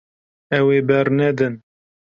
Ew ê bernedin.